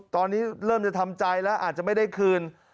ตอนนี้เริ่มจะทำใจแล้วอาจจะไม่ได้คืน